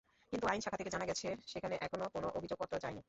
কিন্তু আইন শাখা থেকে জানা গেছে, সেখানে এখনো কোনো অভিযোগপত্র যায়নি।